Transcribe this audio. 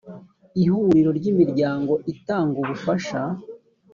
ihuriro ry’imiryango itanga ubufasha